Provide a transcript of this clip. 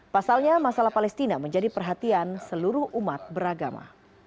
pasalnya masalah palestina menjadi perhatian seluruh umat beragama